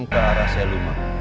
ke arah seluma